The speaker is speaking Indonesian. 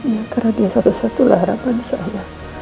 dia karena dia satu satulah harapan saya